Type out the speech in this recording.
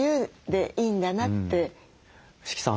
伏木さん